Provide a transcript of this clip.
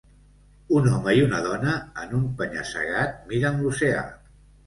Un home i una dona en un penya-segat miren l'oceà.